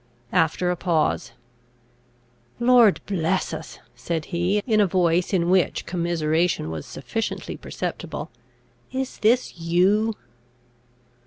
After a pause, "Lord bless us!" said he, in a voice in which commiseration was sufficiently perceptible, "is this you?"